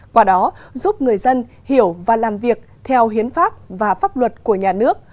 qua đó giúp người dân hiểu và làm việc theo hiến pháp và pháp luật của nhà nước